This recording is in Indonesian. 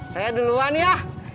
saya duluan ya